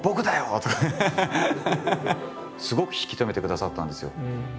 すごく引き止めてくださったんですよ。